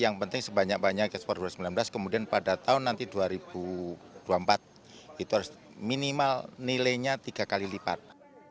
yang penting sebanyak banyak ekspor dua ribu sembilan belas kemudian pada tahun nanti dua ribu dua puluh empat itu harus minimal nilainya tiga kali lipat